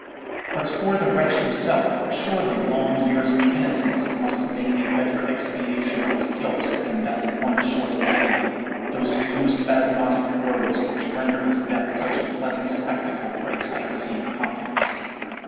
"But for the wretch himself, surely long years of penitence must make a better expiation of his guilt than that one short agony—those few spasmodic throes, which render his death such a pleasant spectacle for a sight seeing populace.